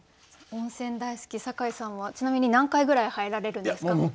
温泉大好き酒井さんはちなみに何回ぐらい入られるんですか？